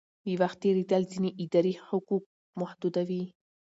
د وخت تېرېدل ځینې اداري حقوق محدودوي.